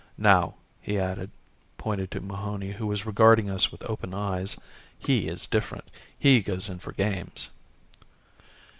Now," he added, pointing to Mahony who was regarding us with open eyes, "he is different; he goes in for games."